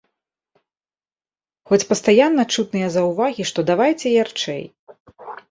Хоць пастаянна чутныя заўвагі, што давайце ярчэй.